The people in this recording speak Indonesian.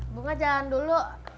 bunga jalan dulu